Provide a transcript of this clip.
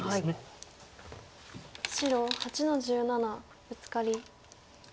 白８の十七ブツカリ。